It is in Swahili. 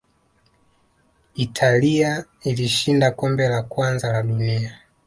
italia ilishinda kombe la kwanza la dunia